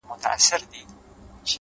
د زحمت خوله د بریا بوی لري!.